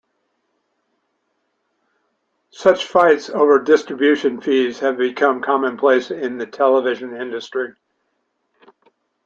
Such fights over distribution fees have become commonplace in the television industry.